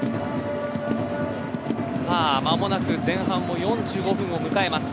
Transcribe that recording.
間もなく前半も４５分を迎えます。